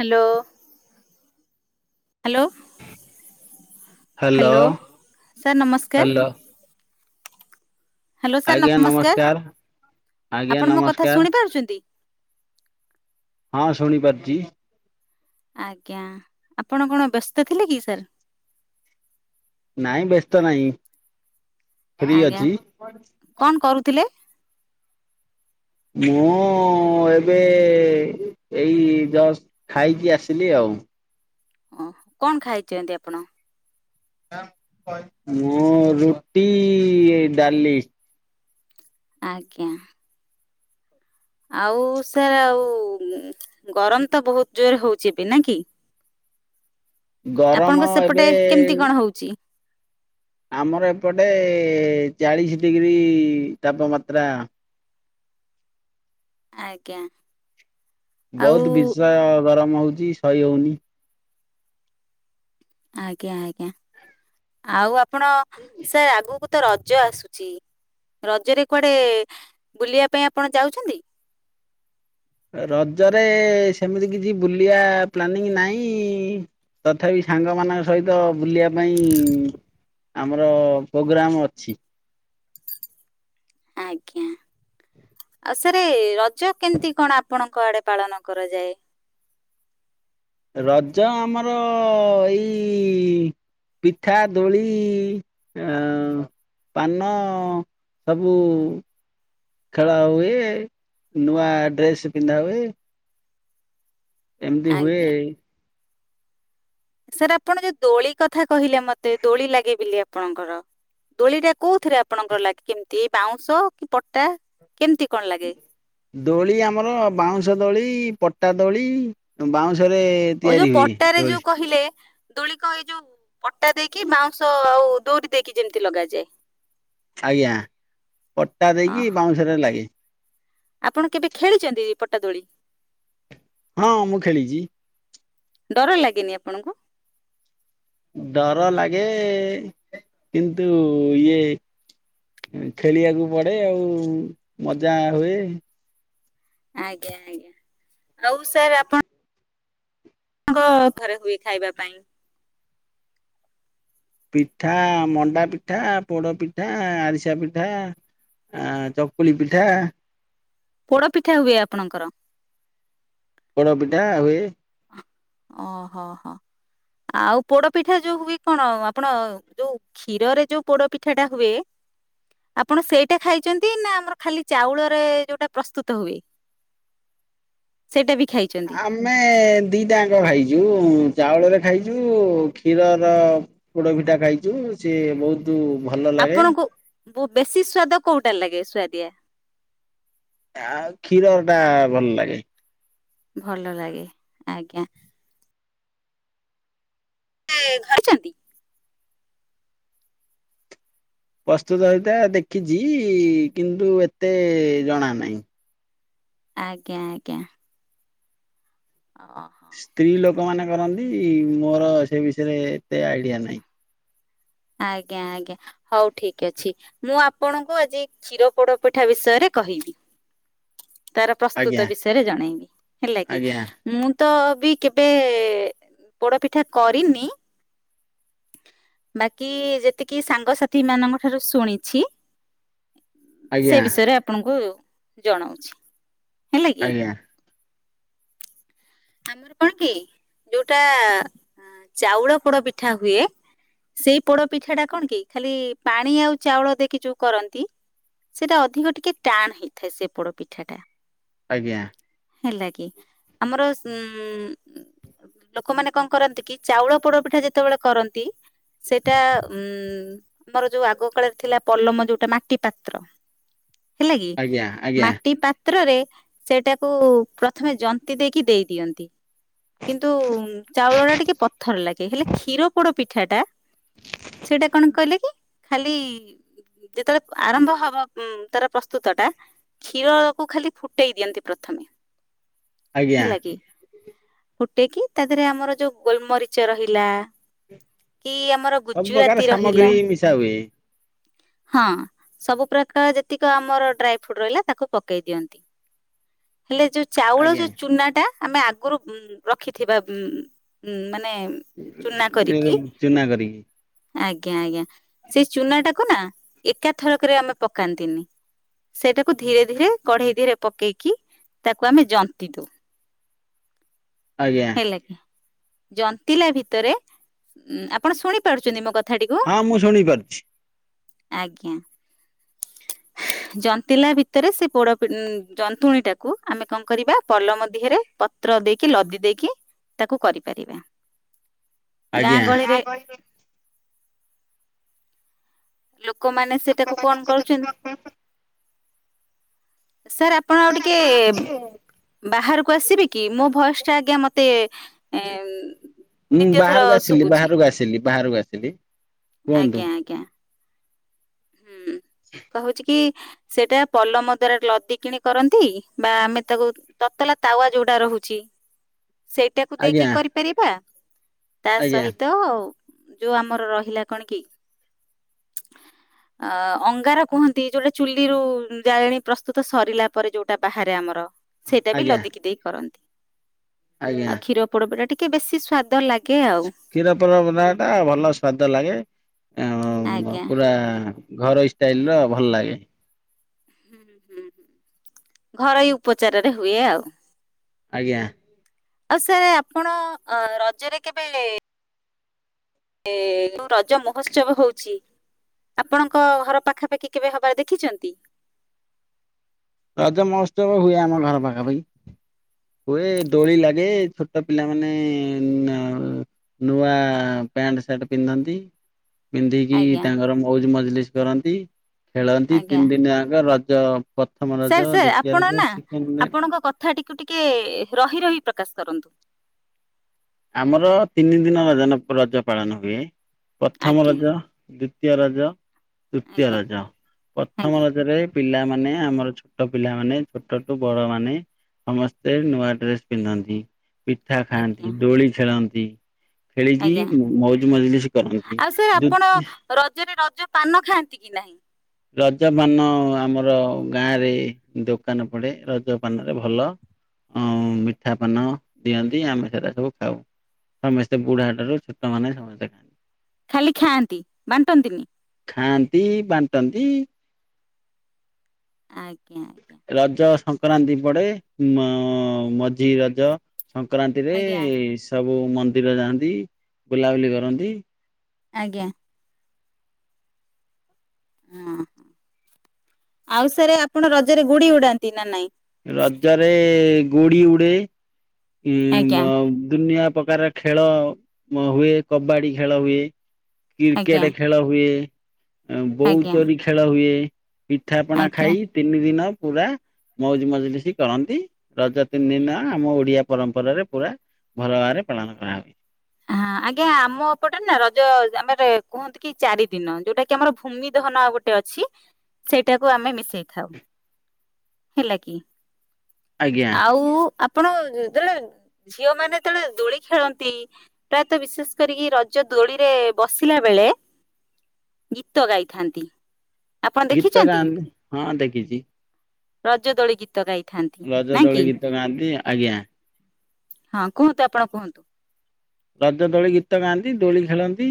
Hello. Hello. Hello sir ନମସ୍କାର। Hello hello sir ନମସ୍କାର ଆଜ୍ଞା ଆପଣ ମୋ କଥା ନମସ୍କାର ଶୁଣି ପାରୁଚନ୍ତି? ହଁ ଶୁଣି ପାରୁଚି। ଆଜ୍ଞା ଆପଣ କଣ ବ୍ୟସ୍ତ ଥିଲେ କି ସାର୍? ନାଇଁ ବ୍ୟସ୍ତ ନାହିଁ। ଫ୍ରି ଆଜ୍ଞା ଅଛି କଣ କରୁଥିଲେ? ମୁଁ ଏବେ ଏଇ ଜଷ୍ଟ ଖାଇକି ଆସିଲି ଆଉ। ହଁ କଣ ଖାଇଚନ୍ତି ଆପଣ? ମୁଁ ରୁଟି ଏଇ ଡାଲି। ଆଜ୍ଞା। ଆଉ ସାର୍ ଆଉ ଗରମ ତ ବହୁତ ଜୋରରେ ହଉଚି ଏବେ ନା କି? ଆପଣଙ୍କ ଗରମ ସେପଟେ ଏବେ କେମିତି କଣ ହଉଛି? ଆମର ଏପଟେ ଚାଳିସି ଡିଗ୍ରୀ ତାପମାତ୍ରା ଆଜ୍ଞା। ଆଉ ବହୁତ ବିଷ ଗରମ ହଉଚି ସହି ହଉନି। ଆଜ୍ଞା ଆଜ୍ଞା ଆଉ ଆପ ଆପଣ ସାର ଆଗକୁ ତ ରଜ ଆସୁଚି ରଜରେ କୁଆଡେ ବୁଲିବା ପାଇଁ ଆପଣ ଯାଉଚନ୍ତି। ରଜରେ ସେମିତି କିଛି ବୁଲିବା ପ୍ଲାନିଂ ନାହିଁ ତଥାପି ସାଙ୍ଗମାନଙ୍କ ସହିତ ବୁଲିବା ପାଇଁ ଆମର ପ୍ରୋଗ୍ରାମ ଅଛି। ଆଜ୍ଞା ଆଉ ସରେ ରଜ କେମିତି କଣ ଆପଣଙ୍କ ଆଡେ ପାଳନ କରାଯାଏ। ରଜ ଆମର ଏଇ ପିଠା ଦୋଳି ପାନ ସବୁ ଖେଳ ହୁଏ ନୂଆ ଡ୍ରେସ୍ ପିନ୍ଧା ହୁଏ। ଏମିତି ହୁଏ ଆଜ୍ଞା ସାର୍ ଆପଣ ଯୋଉ ଦୋଳି କଥା କହିଲେ ମତେ ଦୋଳି ଲାଗେ ବୋଲିକା ଆପଣଙ୍କର ଦୋଳି ଟା କୋଉଥିରେ ଆପଣଙ୍କର ଲାଗେ କେମିତି ବାଉଁଶ କି ପଟା? କେମିତି କଣ ଲାଗେ? ଦୋଳି ଆମର ବାଉଁଶ ଦୋଳି ପଟା ଦୋଳି ବାଉଁଶ ରେ ତିଆରି ହୁଏ ରହିଚି ଦୋଳିକ ଏଇ ଯୋଉ ପଟା ଦେଇକି ବାଉଁଶ ଆଉ ଦଉରି ଦେଇକି ଯେମିତି ଲଗାଯାଏ। ଆଜ୍ଞା ପଟା ଅଁ ଦେଇକି ବାଉଁଶରେ ଲାଗେ। ଆପଣ କେବେ ଖେଳିଛନ୍ତି ପଟାଦୋଳି? ହଁ ମୁଁ ଖେଳିଛି। ଡର ଲାଗେନି ଆପଣଙ୍କୁ? [unintelligible] କିନ୍ତୁ ଇଏ ଖେଳିବାକୁ ପଡେ ଆଉ ମଜା ହୁଏ ଆଜ୍ଞା ଆଜ୍ଞା। ଆଉ ସାର୍ ଆପଣ୍ ଆଙ୍କ ଥରେ ହୁଏ ଖାଇବା ପାଇଁ ପିଠା ମଣ୍ଡା ପିଠା ପୋଡ଼ ପିଠା ଆରିସା ପିଠା ଆଁ ଚକୁଳି ପିଠା ପୋଡ ପିଠା ହୁଏ ଆପଣଙ୍କର? ପୋଡ ପିଠା ହୁଏ। ଓହୋଃ ହୋ, ଆଉ ପୋଡପିଠା ଯୋଉ ହୁଏ କଣ ଆପଣ ଯୋଉ କ୍ଷୀରରେ ଯୋଉ ପୋଡପିଠାଟା ହୁଏ ଆପଣ ସେଇଟା ଖାଇଛନ୍ତି ନା ଆମର ଖାଲି ଚାଉଳରେ ଯୋଉଟା ପ୍ରସ୍ତୁତ ହୁଏ, ସେଇଟା ବି? ଖାଇଛନ୍ତି ଆମେ ଦିଟା ଯାଙ୍କ ଖାଇ। ଯୋଉ ଚାଉଳରେ ଖାଇଛୁ କ୍ଷୀରର ପୋଡ଼ପିଠା ଖାଇଛୁ ସିଏ ବହୁତ୍ ଆପଣଙ୍କୁ ବୁ ବେଶୀ ସ୍ଵାଦ। କୋଉଟା ଲାଗେ ସୁଆଦିଆ? ଆଉ କ୍ଷୀରରଟା ଭଲ ଲାଗେ। ଭଲ ଲାଗେ, ଆଜ୍ଞା। ସେ ଖାଇଛନ୍ତି? ପ୍ରସ୍ତୁତ ହେଇଥାଏ ଦେଖିଛିଇଇ କିନ୍ତୁ ଏତେ ଜଣା ନାହିଁ। ଆଜ୍ଞା ଆଜ୍ଞା। ଅ ହଁ। ସ୍ତ୍ରୀ ଲୋକମାନେ କରନ୍ତି, ମୋର ସେ ବିଷୟରେ ଏତେ ଆଇଡିଆ ନାହିଁ। ଆଜ୍ଞା ଆଜ୍ଞା। ହଉ ଠିକ୍ ଅଛି। ମୁଁ ଆପଣଙ୍କୁ ଆଜି କ୍ଷୀର ପୋଡପିଠା ବିଷୟରେ କହିବି। ତାର ପ୍ରସ୍ତୁତ ଆଜ୍ଞା ବିଷୟରେ ଜଣେଇବି ହେଲା କି, ଆଜ୍ଞା ମୁଁ ତ ବି କେବେ ପୋଡ ପିଠା କରିନି ବାକି ଯେତିକି ସାଙ୍ଗସାଥିମାନଙ୍କ ଠାରୁ ଶୁଣିଛି। ଆଜ୍ଞା ସେ ବିଷୟରେ ଆପଣଙ୍କୁ ଜଣଉଛି। ଆଜ୍ଞା। ଆମର କଣ କି ଯୋଉଟା ଚାଉଳ ପୋଡପିଠା ହୁଏ, ସେଇ ପୋଡପିଠାଟା କଣ କି ଖାଲି ପାଣି ଆଉ ଚାଉଳ ଦେଇକି ଯୋଉ କରନ୍ତି ସେଟା ଅଧିକ ଟିକେ ଟାଣ ହେଇଥାଏ ସେ ପୋଡପିଠାଟା। ଆଜ୍ଞା। ହେଲା କି, ଆମର ଉଁ ଲୋକମାନେ କଣ କରନ୍ତି କି ଚାଉଳ ପୋଡପିଠା ଯେତେବେଳେ କରନ୍ତି ସେଟା ଉଁ ଉଁ ଆମର ଯୋଉ ଆଗ କାଳରେ ଥିଲା ପଲମ ଯୋଉଟା ମାଟି ପାତ୍ର। ହେଲା କି ଆଜ୍ଞା ଆଜ୍ଞା ମାଟି ପାତ୍ କ୍ଷତ୍ରରେ ସେଇଟାକୁ ପ୍ରଥମେ ଜନ୍ତିି ଦେଇକି ଦେଇ ଦିଅନ୍ତି କିନ୍ତୁ ଚାଉଳ ଟା ଟିକେ ଭଲ ଲାଗେ ହେଲେ କ୍ଷୀର ପୋଡ ପିଠାଟା ସେଇଟା କଣ କହିଲେ କି ଖାଲି ଯେତେବେଳେ ଆରମ୍ଭ ହବ ଉଁ ତାର ପ୍ରସ୍ତୁତ ଟା କ୍ଷୀର କୁ ଖାଲି ଫୁଟେଇ ଦିଅନ୍ତି ପ୍ରଥମେ। ଆଜ୍ଞା। ହେଲା କି ଫୁଟେଇକି ତା ଦେହରେ ଆମର ଯୋଉ ଗୋଲମରିଚ ରହିଲା। କି ଆମର ସବୁ ଗୁଜୁରାତି ପ୍ରକାର ରହିଲା ସାମଗ୍ରୀ ମିଶା ହୁଏ। ହଁ ସବୁ ପ୍ରକାର ଯେତିକି ଆମର ଡ୍ରାଇ ଫ୍ରୁଟ ରହିଲା ତାକୁ ପକେଇ ଦିଅନ୍ତି। ହେଲେ ଯୋଉ ଚାଉଳ ଆଜ୍ଞା ଯୋଉ ଚୁନା ଟା। ଆମେ ଆଗରୁ ରଖିଥିବା ଉ ମାନେ ଚୁନା କରିକି ଏ ଚୁନା କରିକି। ଆଜ୍ଞା ଆଜ୍ଞା ସେଇ ଚୁନା ଟାକୁ ନା ଏକାଥରକରେ ଆମେ ପକାନ୍ତିନି ସେଇଟାକୁ ଧୀରେ ଧୀରେ କଢେଇ ଧୀରେ ପକେଇକି ତାକୁ ଆମେ ଜନ୍ତି ଦଉ। ଆଜ୍ଞା ହେଲେ- ଜନ୍ତିଲା ଭିତରେ ଆପଣ ଶୁଣି ପାରୁଛନ୍ତି ମୋ କଥା। ହଁ ମୁଁ ଶୁଣି ପାରୁଛି। ଆଜ୍ଞା ଜନ୍ତିଲା ଭିତରେ ସେ ପୋଡ ଜନ୍ତୁଣୀ ଟାକୁ ଆମେ କଣ କରିବା ପଲମ ଦିହରେ ପତ୍ର ଦେଇକି ଲଦି ଦେଇକି। କି ତାକୁ କରିପାରିବା। ଗାଁ ଆଜ୍ଞା ଗହଳିରେ କମାନେ ସେଟାକୁ କଣ କରୁଛନ୍ତି। ସାର୍ ଆପଣ ଆଉ ଟିକେ ବାହାରକୁ ଆସିବେ କି ମୋ ଭଏସଟା ଆଜ୍ଞା ମୋତେ ମୁଁ ଦ୍ଵିତୀୟ ଥର ବାହାରକୁ ଆସିଲି ଶୁଭୁଛି ବାହାରକୁ ଆସିଲି ବାହାରକୁ ଆସିଲି କୁହନ୍ତୁ ଆଜ୍ଞା ଆଜ୍ଞା। ହୁଁ କହୁଛି କି। ସେଟା ପଲମ ଦ୍ଵାରା ଲଦି କିଣି କରନ୍ତି ବା ଆମେ ତାକୁ ତତଲା ତାୱା ଯୋଉଟା ରହୁଛି। ସେଇଟାକୁ ଆଜ୍ଞା ଦେଇକି କରିପାରିବା। ତା ଆଜ୍ଞା ସହିତ ଯୋଉ ଆମର ରହିଲା କଣ କି। ଅ ଅଙ୍ଗାର କୁହନ୍ତି ଯୋଉଟା ଚୁଲିରୁ ଜାଳେଣି ପ୍ରସ୍ତୁତ ସରିଲା ପରେ ଯୋଉଟା ବାହାରେ ଆମର। ସେଇଟା ବି ଆଜ୍ଞା ଲଦିକି ଦେଇ କରନ୍ତି। ଆଜ୍ଞା ଆଉ କ୍ଷୀର ପୋଡ ପିଠା ଟିକେ। କି ବେଶୀ ସ୍ଵାଦ ଲାଗେ। ଆଉ। କ୍ଷୀର ପରମଟା ଭଲ ସ୍ଵାଦ ଲାଗେ ଆ ଆଜ୍ଞା ପୁରା ଘରଇ ଷ୍ଟାଇଲର ଭଲ ଲାଗେ ହୁଁ ଘରୋଇ ଉପଚାରରେ ହୁଏ ଆଉ ଆଜ୍ଞା ଆଉ ସାର୍ ଆପଣ ରଜରେ କେବେ ଯୋ ରଜ ମହୋତ୍ସବ ହଉଛି ଆପଣଙ୍କ ଘର ପାଖାପାଖି କେବେ ହବାର ଦେଖିଛନ୍ତି? ରଜ ମହୋତ୍ସବ ହୁଏ ଆମ ଘର ପାଖାପାଖି ହୁଏ ଦୋଳି ଲାଗେ ଛୋଟ ପିଲାମାନେ ନୂଆ ପ୍ୟାଣ୍ଟ ସାର୍ଟ ପିନ୍ଧନ୍ତି ପିନ୍ଧିକି ଆଜ୍ଞା ତାଙ୍କର ମଉଜ ମଜଲିସ କରନ୍ତି ଖେଳନ୍ତି ଆଜ୍ଞା ତିନି ଦିନ ଯାଙ୍କ ର- ତ ପତ ସାର୍ ସାର୍ ଆପଣ ନା ଆପଣଙ୍କ କଥା ଟିକୁ ଟିକେ ରହି ରହି- ପ୍ରକାଶ କରନ୍ତୁ ଆମର ତିନି ଦିନ ର ରଜ ପାଳନ ହୁଏ ପ୍ରଥମ ଆଜ୍ଞା ରଜ ଦ୍ଵି - ଦୀତିୟ ରଜ ତୃତୀୟ ଆଜ୍ଞା ରଜ ପ୍ରଥମ ଆଜ୍ଞା ରଜରେ ପିଲାମାନେ- ଆମର ଛୋଟ ପିଲାମାନୋ ଛୋଟ ଠୁ ବଡ ମାନେ ସମସ୍ତେ ନୂଆ ଡ୍ରେସ ପିନ୍ଧନ୍ତି ପିଠା ଆଜ୍ଞା ଖାଆନ୍ତି ଖେଳନ୍ତି ଖେଳି କି ଆଜ୍ଞା ମୌଜ ମଜଲିସ କରନ୍ତି ଆଉ ସାର୍ ଆପଣ [unintelligible] ରଜରେ ରଜ ପାନ ଖାଆନ୍ତି କି ନାହିଁ ରଜ ପାନ ଆମର ଗାଁରେ ଦୋକାନ ପଡେ ରଜ ପାନରେ ଭଲ ଅ ମିଠା ପାନ ଦିଅନ୍ତି ଆମେ ସେଟା ସବୁ ଖାଉ ସମସ୍ତେ ବୁଢା ଠାରୁ ଛୋଟମାନେ ସମସ୍ତେ ଖାଆନ୍ତି ଖାଲି ଖାଆନ୍ତି ବାଣ୍ଟନ୍ତିନି? ଖାଆନ୍ତି ବାଣ୍ଟନ୍ତି ଆଙ୍ଗ ରଜ ସଂକ୍ ସଂକ୍ରାନ୍ତି ପଡେ ମ ମ ମଝି ରଜ। ସଂକ୍ରାନ୍ତିରେ ଆଜ୍ଞା ସବୁ ସବୁ ମନ୍ଦିର ଯାଆନ୍ତି ବୁଲାବୁଲି କରନ୍ତି ଆଜ୍ଞା ଓହୋ ଆଉ ସାରେ ଆପଣ ରଜରେ ଗୁଡି ଉଡାନ୍ତି ନା ନାଇଁ ରଜରେ ଏନ୍ ଗୋଡ଼ି ଉଡ଼େ। ଉ ଆଜ୍ଞା ମ ଦୁନିଆ ପ୍ରକାର ଖେଳ ମ ହୁଏ କବାଡି ଖେଳ ହୁଏ। ଆଜ୍ଞା କ୍ରିକେଟ ଖେଳ ହୁଏ। ଆଜ୍ଞା ବହୁଉଚୋରି ଖେଳ ହୁଏ। ପିଠାପଣା ଆଜ୍ଞା। ଖାଇ ତିନି ଦିନ ପୁରା ମଉଜ ମଜଲି ସି କରନ୍ତି ରଜ ତିନି ଦିନ ଆମ ଓଡିଆ। ପରମ୍ପରାରେ ପୁରା ଭଲ ଭାବରେ ପାଳନ କରା ହୁଏ। ହଁ ଆଜ୍ଞା ଆମ ଅପଟେ ନା ରଜ ଆମେ କୁହନ୍ତି କି ଚାରି ଦିନ ଯୋଉଟା କି ଆମର ଭୂମି ଦହନ ଆଉ ଗୋଟେ ଅଛି। ସେଇଟାକୁ ଆମେ ମିଶେଇଥାଉ ହେଲା କି। ଆଜ୍ଞା ଆଉ ଆପ ଆପଣ ଯେତେବେଳେ ଝିଅ ମାନେ ଯେତେବେଳେ ଦୋଳି ଖେଳନ୍ତି ପ୍ରାୟତଃ ବିଶେଷ କରିକି ରଜ ଦୋଳିରେ ବସିଲା ବେଳେ ଗୀତ ଗାଇଥାନ୍ତି। ଆପଣ ଗୀତ ଦେଖିଛନ୍ତି ଗାଆନ୍ତି ହଁ ଦେଖ କିଛି। ରଜ ଦୋଳିଗୀତ ରଜ ଦୋଳି ଗୀତ ଗାଆନ୍ତି ଆଜ୍ଞା। ହଁ କୁହନ୍ତୁ ଆପଣ କୁହନ୍ତୁ? ରଜ ଦୋଳି ଗୀତ ଗାଆନ୍ତି ଦୋଳି ଖେଳନ୍ତି।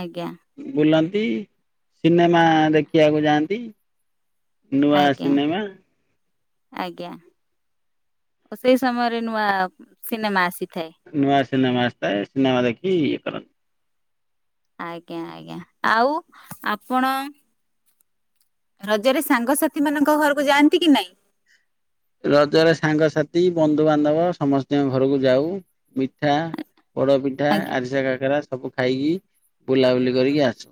ଆଜ୍ଞା ବୋଲନ୍ ସେଇ ସିନେମା ଦେଖିବାକୁ ଯାଆନ୍ତି। ନୂଆ ଆଜ୍ଞା ସିନେମା‌। ଆଜ୍ଞା ଓ ସେଇ ସମୟରେ ନୂଆ ସିନେମା ଆସି ନୂଆ ସିନେମା ଆସିଥାଏ ସିନେମା ଦେଖି ଇଏ କରନ୍ତି। ଆଜ୍ଞା ଆଜ୍ଞା ଆଉ ଆପଣ? ରଜରେ ସାଙ୍ଗସାଥି ମାନଙ୍କ ଘରକୁ ଯାଆନ୍ତି କି ନାଇଁ? ରଜରେ ସାଙ୍ଗସାଥି ବନ୍ଧୁବାନ୍ଧବ ସମସ୍ତିଙ୍କ ଘରକୁ ଯାଉ। ମିଠା ପୋଡ ପିଠା ଆଜ୍ଞା ଆରିସା କାକରା ସବୁ ଖାଇକି ବୁଲାବୁଲି କରିକି ଆସୁ।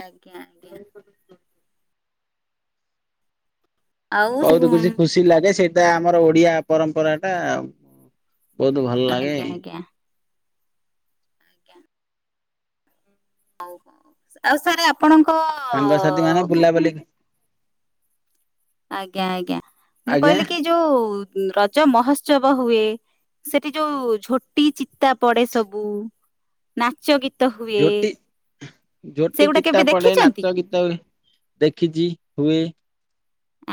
ଆଜ୍ଞା ଆଜ୍ଞା। ଆଉ ବହୁତ ଖୁସି ଖୁସି ଲାଗେ ସେ ଏ ଆମର ଓଡିଆ ପରମ୍ପରାଟା ଆଉ। ବହୁତ ଭଲ ଲାଗେ। ଆଜ୍ଞା ଆଜ୍ଞା ହଉ ଆଉ ସାର ଆପଣ ସାଙ୍ଗସାଥି ମାନେ ବୁଲାବୁଲି ଆଜ୍ଞା ଆଜ୍ଞା ମୁଁ ଆଜ୍ଞା କହିଲି କି ଯୋଉ ରଜ ମହୋତ୍ସବ ହୁଏ? ସେଠି ଯୋଉ ଝୋଟି ଚିତା ପଡେ ସବୁ ନାଚ ଗୀତ ହୁଏ ଝୋଟି ଝୋଟି ସେଗୁଡା ଚିତା କେବେ ପଡେ ଦେଖିଛନ୍ତି ନାଚ ଗୀତ ଦେଖିଛି ହୁଏ।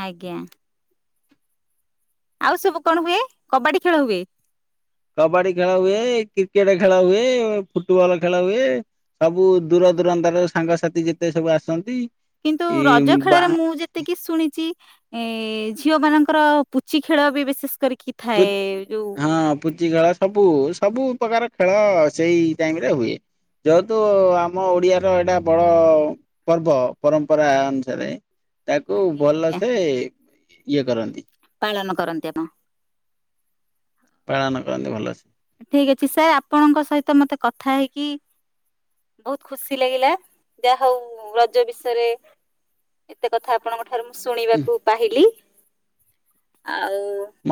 ଆଜ୍ଞା। ଆଉ ସବୁ କଣ ହୁଏ କବାଡି ଖେଳ ହୁଏ। କବାଡି ଖେଳ ହୁଏ କ୍ରିକେଟ ଖେଳ ହୁଏ ଫୁଟବଲ ଖେଳ ହୁଏ ସବୁ ଦୂର ଦୂରାନ୍ତ ର ସାଙ୍ଗସାଥି ଯେତେ ସବୁ ଆସନ୍ତି। କିନ୍ତୁ ଏ ରଜ ବା ଖେଳରେ ହଁ ମୁଁ ଯେତିକି ଶୁଣିଛି। ଏ ଝିଅ ମାନଙ୍କର ପୁଚି ଖେଳ ବି ବିଶେଷ କରି କି ଥାଏ ଯୋଉ କଚ ଖେଳ ସବୁ ସବୁ ପ୍ରକାର ଖେଳ ସେଇ ଟାଇମରେ ହୁଏ ଯେହେତୁ ଆମ ଓଡିଆ ର ଏଇଟା ବଡ ପର୍ବ ପରମ୍ପରା ଅନୁସାରେ ତାକୁ ଆଜ୍ଞା ଆଜ୍ଞା ଭଲସେ ଇଏ କରରନ୍ତି। ପାଳନ କରନ୍ତି ଆପ ପାଳନ କରନ୍ତି ଭଲ ଅସେ। ଠିକ ଅଛି ସାର୍ ଆପଣଙ୍କ ସହିତ ମତେ କଥା ହେଇକି ବହୁତ ଖୁସି ଲାଗିଲା ଯାହା ହଉ ରଜ ବିଷୟରେ ଏତେ କଥା ଆପଣଙ୍କ ଆରେ ମୁଁ ଶୁଣିବାକୁ ପାହିଁଲି।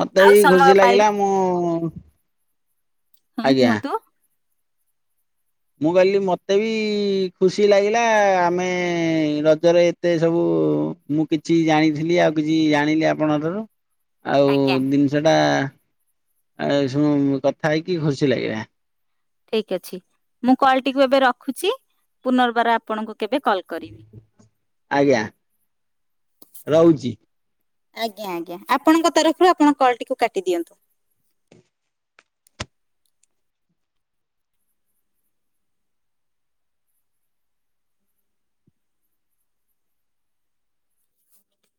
ମତେ ଆଉ ବି ସମୟ ଖୁସି ପାଇଲି ଲାଗିଲା ମୁଁ ହଁ ଆଜ୍ଞା। କୁହ ତ ମୁଁ କହିଲି ମତେ ବି ଖୁସି ଲାଗିଲା ଆମେ ରଜରେ ଏତେ ସବୁ ମୁଁ କିଛି ଜାଣିଥିଲି ଆଉ କିଛି ଜାଣିଲି ଆପଣଙ୍କ ଠାରୁ ଆଉ ଆଜ୍ଞା ଜିନିଷ ଟା ଆଉ କଥା ହେଇକି ଖୁସି ଲାଗିଲ। ଠିକ ଅଛି ମୁଁ କଲଟିକୁ ଏବେ ରଖୁଛି ପୁନର୍ବାର ଆପଣଙ୍କ ଆଜ୍ଞା ରହୁଛି। ଆଜ୍ଞା ଆଜ୍ଞା ଆପଣଙ୍କ ତରଫରୁ ଆପଣ କଲଟିକୁ କାଟି ଦିଅନ୍ତୁ।